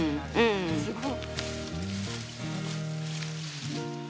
すごい！